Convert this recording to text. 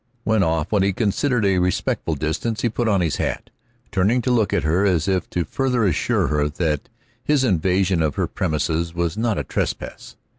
When off what he considered a respectful distance he put on his hat, turning a look at her as if to further assure her that his invasion of her premises was not a trespass.